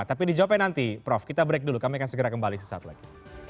tapi dijawabkan nanti prof kita break dulu kami akan segera kembali sesaat lagi